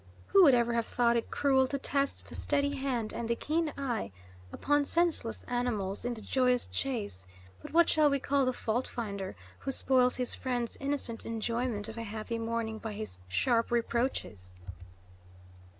"Who would ever have thought it cruel to test the steady hand and the keen eye upon senseless animals in the joyous chase? But what shall we call the fault finder, who spoils his friend's innocent enjoyment of a happy morning by his sharp reproaches?"